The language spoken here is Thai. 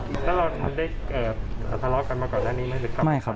ถ้าเราไม่ได้ทะเลาะกันมาก่อนหน้านี้ไม่รู้จักกันเลยครับ